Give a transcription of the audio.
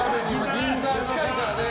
銀座、近いからね。